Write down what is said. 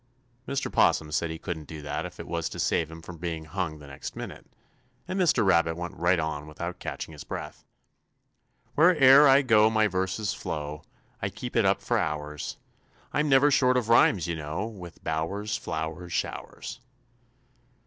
"Mr. 'Possum said he couldn't do that if it was to save him from being hung the next minute, and Mr. Rabbit went right on without catching his breath: "Where e'er I go my verses flow I keep it up for hours. I'm never short of rhymes, you know, With bowers, flowers, showers."